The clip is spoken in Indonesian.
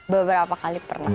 beberapa kali pernah